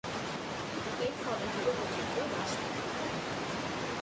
এর ফলে জীববৈচিত্র্য হ্রাস পেতে পারে।